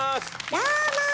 どうも！